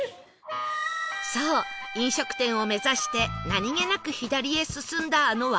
そう飲食店を目指して何げなく左へ進んだあの分かれ道